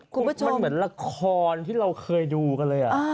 คุณผู้ชมมันเหมือนละครที่เราเคยดูกันเลย